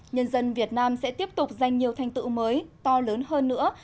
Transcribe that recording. nhân dân việt nam sẽ tiếp tục giành nhiều thành tựu mới to lớn hơn nữa